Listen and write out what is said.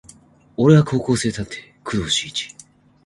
俺は高校生探偵工藤新一